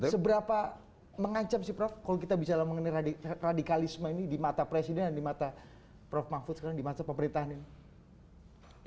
seberapa mengancam sih prof kalau kita bicara mengenai radikalisme ini di mata presiden dan di mata prof mahfud sekarang di masa pemerintahan ini